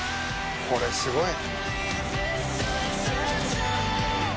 これすごい。